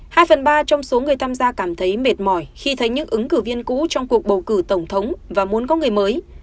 hai phần ba trong số người tham gia cảm thấy mệt mỏi khi thấy những ứng cử viên cũ trong cuộc bầu cử tổng thống và muốn có người mới